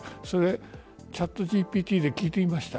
ＣｈａｔＧＰＴで聞いてみました。